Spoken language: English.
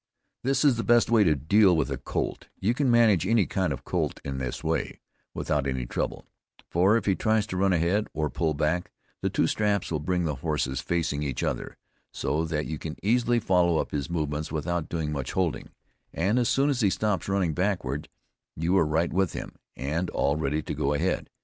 This is the best way to lead a colt; you can manage any kind of a colt in this way, without any trouble; for, if he tries to run ahead, or pull back, the two straps will bring the horses facing each other, so that you can easily follow up his movements without doing much holding, and as soon as he stops running backward you are right with him, and all ready to go ahead.